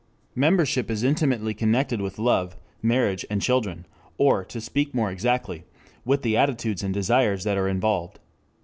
Membership is intimately connected with love, marriage and children, or, to speak more exactly, with the attitudes and desires that are involved.